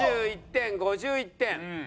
４１点５１点。